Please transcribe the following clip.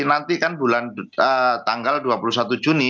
nanti kan bulan tanggal dua puluh satu juni